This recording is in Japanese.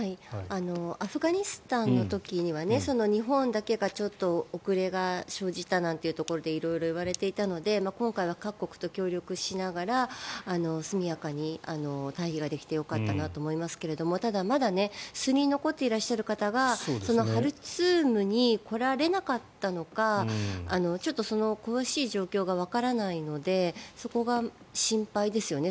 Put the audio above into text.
アフガニスタンの時には日本だけがちょっと遅れが生じたなんていうところで色々言われていたので今回は各国と協力しながら速やかに退避ができてよかったなと思いますがただ、まだ数人残っていらっしゃる方はハルツームに来られなかったのかちょっとその詳しい状況がわからないのでそこが心配ですよね。